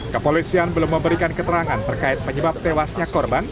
kepolisian belum memberikan keterangan terkait penyebab tewasnya korban